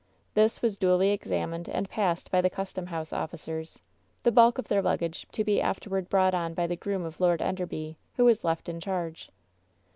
This was duly examined and passed by the custom house officers; the bulk of their luggage to be afterward brought on by the groom of Lord Enderby, who was left in charge.